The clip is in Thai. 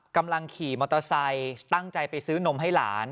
กำลังขี่มอเตอร์ไซค์ตั้งใจไปซื้อนมให้หลาน